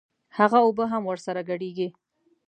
هغه اوبه هم ورسره ګډېږي.